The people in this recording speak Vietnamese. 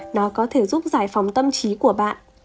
nó có thể giúp giải phóng tâm trí của bạn